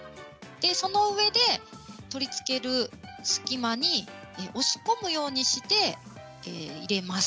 そのうえで、取り付ける隙間に押し込むようにして入れます。